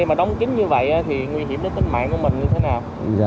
mà đóng kín như vậy thì nguy hiểm đến tính mạng của mình như thế nào